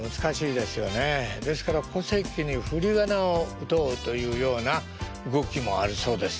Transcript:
ですから戸籍に振り仮名を打とうというような動きもあるそうです。